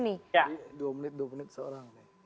dua menit dua menit seorang nih